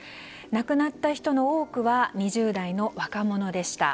亡くなった人の多くは２０代の若者でした。